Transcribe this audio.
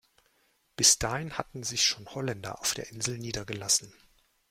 Bis dahin hatten sich schon Holländer auf der Insel niedergelassen.